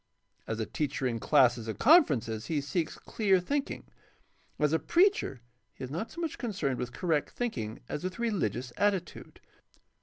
As a teacher in classes and conferences he seeks clear thinking. As a preacher he is not so much concerned with correct think ing as with rehgious attitude.